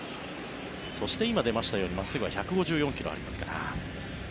そして、今出ましたように真っすぐは１５４ｋｍありますから。